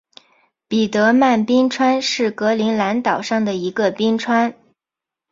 彼得曼冰川是格陵兰岛上的一个冰川。